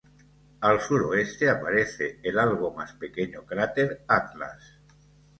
Al suroeste aparece el algo más pequeño cráter Atlas.